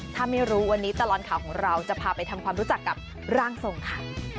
ถ้าไม่รู้วันนี้ตลอดข่าวของเราจะพาไปทำความรู้จักกับร่างทรงค่ะ